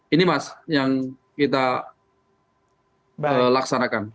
ini mas yang kita laksanakan